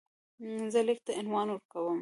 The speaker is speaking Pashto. زه لیک ته عنوان ورکوم.